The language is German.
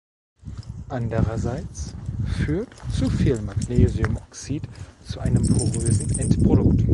Andererseits führt zu viel Magnesiumoxid zu einem porösen Endprodukt.